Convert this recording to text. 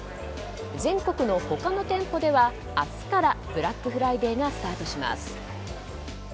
全国の他の店舗では明日からブラックフライデーがスタートします。